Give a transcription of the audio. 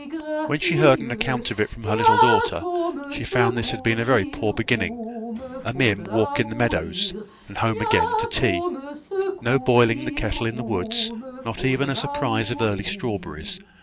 When she heard an account of it from her little daughter, she found this had been a very poor beginning, a mere walk in the meadows, and home again to tea; no boiling the kettle in the woods, not even a surprise of early strawberries.